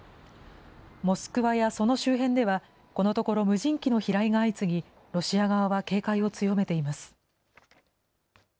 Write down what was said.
モスクワやその周辺では、このところ無人機の飛来が相次ぎ、ロシア側は警戒を強めています。